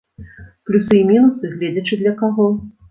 Плюсы і мінусы, гледзячы для каго.